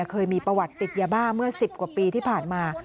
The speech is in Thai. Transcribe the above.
เคยมีประวัติติดยาบ้าเมื่อ๑๐กว่าปีที่ผ่านมา